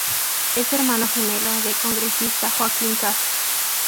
Es hermano gemelo del congresista Joaquín Castro.